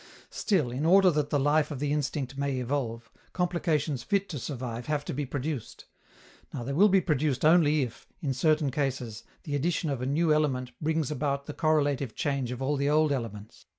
Still, in order that the life of the instinct may evolve, complications fit to survive have to be produced. Now they will be produced only if, in certain cases, the addition of a new element brings about the correlative change of all the old elements.